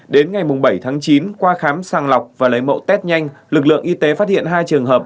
đến ngày bảy tháng chín qua khám sàng lọc và lấy mẫu test nhanh lực lượng y tế phát hiện hai trường hợp